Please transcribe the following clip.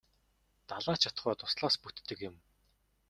Далай ч атугай дуслаас бүтдэг юм.